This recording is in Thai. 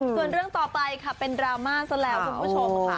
ส่วนเรื่องต่อไปค่ะเป็นดราม่าซะแล้วคุณผู้ชมค่ะ